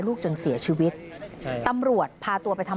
คุณผู้ชมรู้ไหม